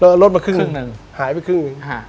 เอารถมาครึ่งหนึ่งหายไปครึ่งหนึ่ง